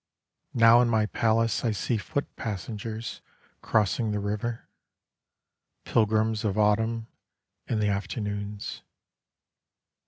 Now in my palace I see foot passengers Crossing the river: Pilgrims of autumn In the afternoons.